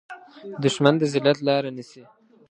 دښمن د ذلت لاره نیسي